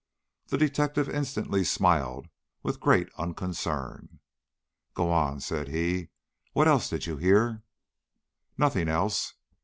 The detective instantly smiled with great unconcern. "Go on," said he, "what else did you hear?" "Nothing else.